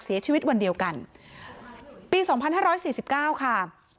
เสียชีวิตวันเดียวกันปีสองพันห้าร้อยสี่สิบเก้าค่ะ